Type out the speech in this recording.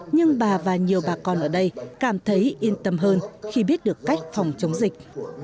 nhưng bà và nhiều bà con ở đây cảm thấy yên tâm hơn khi biết được cách phòng chống dịch